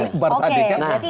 ini kan repetitif